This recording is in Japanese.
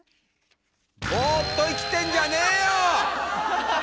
「ボーっと生きてんじゃねーよ！」。